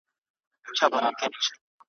له جاپان تر اروپا مي تجارت دی `